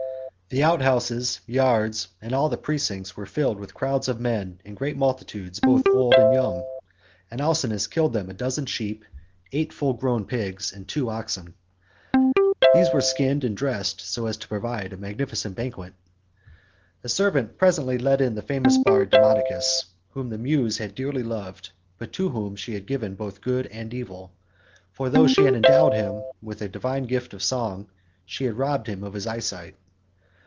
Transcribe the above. The out houses,66 yards, and all the precincts were filled with crowds of men in great multitudes both old and young; and Alcinous killed them a dozen sheep, eight full grown pigs, and two oxen. These they skinned and dressed so as to provide a magnificent banquet. A servant presently led in the famous bard Demodocus, whom the muse had dearly loved, but to whom she had given both good and evil, for though she had endowed him with a divine gift of song, she had robbed him of his eyesight.